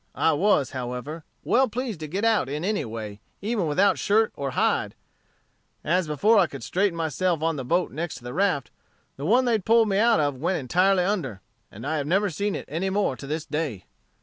I was, however, well pleased to get out in any way, even without shirt or hide; as before I could straighten myself on the boat next to the raft, the one they pull'd me out of went entirely under, and I have never seen it any more to this day.